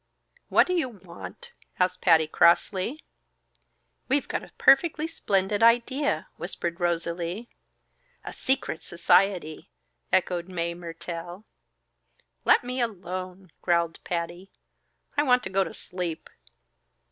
"What do you want?" asked Patty, crossly. "We've got a perfectly splendid idea," whispered Rosalie. "A secret society," echoed Mae Mertelle. "Let me alone!" growled Patty. "I want to go to sleep."